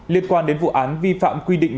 liên quan đến vụ án vi phạm quy định